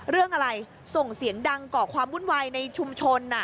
เรื่องอะไรส่งเสียงดังก่อความวุ่นวายในชุมชน